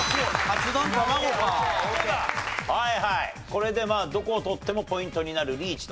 これでどこを取ってもポイントになるリーチと。